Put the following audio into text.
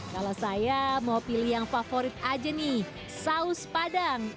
kalau saya mau pilih yang favorit aja nih saus padang